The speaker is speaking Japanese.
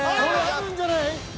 あるんじゃない？